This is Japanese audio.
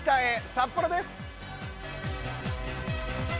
札幌です。